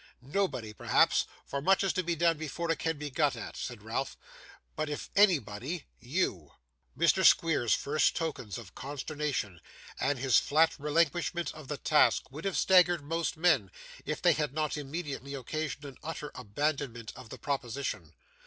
'Nobody, perhaps, for much is to be done before it can be got at,' said Ralph. 'But if anybody you!' Mr. Squeers's first tokens of consternation, and his flat relinquishment of the task, would have staggered most men, if they had not immediately occasioned an utter abandonment of the proposition.